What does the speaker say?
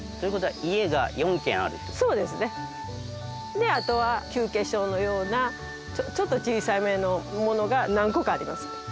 であとは休憩所のようなちょっと小さめのものが何個かあります。